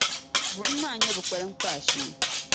Buɣum maa n-nyɛ bɛ kpaliŋkpaa shee.